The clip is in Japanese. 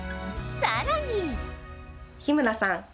さらに日村さん